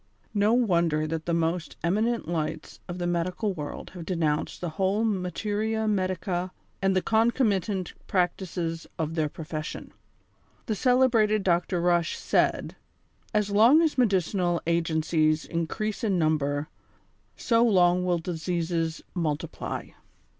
Xo wonder that the most eminent lights of the medical w^orld have denounced the whole materia medica and the concomitant practices of their profession. The celebrated Dr. Hush said: "As long as medicinal agencies increase in number, so long will diseases mul tiply."